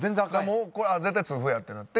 もうこれは絶対痛風やってなって。